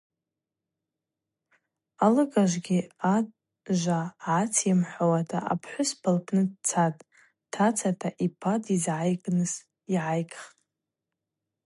Алыгажвгьи ажва гӏацйымхӏвахуата апхӏвыспа лпны дцатӏ, тацата йпа дйызгӏайгын дгӏайхтӏ.